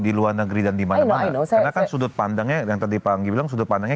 di luar negeri dan dimana mana karena kan sudut pandangnya yang tadi pagi bilang sudut pandangnya